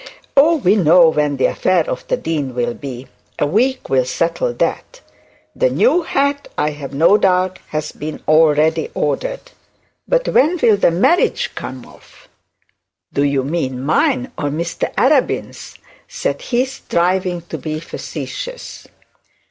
'Oh! we know when the affair of the dean will be: a week will settle that. The new hat, I have no doubt, has already been ordered. But when will the marriage come off?' 'Do you mean mine or Mr Arabin's,' said he, striving to be facetious.